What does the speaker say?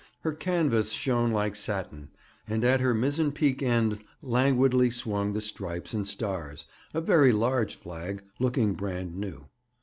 Her canvas shone like satin, and at her mizzen peak end languidly swung the Stripes and Stars, a very large flag, looking brand new.